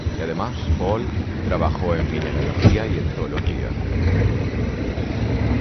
Y además, Pohl trabajó en mineralogía y en zoología.